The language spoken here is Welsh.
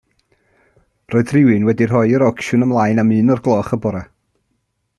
Roedd rhywun wedi rhoi yr ocsiwn ymlaen am un o'r gloch y bore.